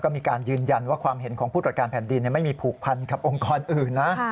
ก็มีการยืนยันว่าความเห็นของผู้ตรวจการแผ่นดินไม่มีผูกพันกับองค์กรอื่นนะ